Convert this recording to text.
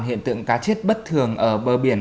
hiện tượng cá chết bất thường ở bờ biển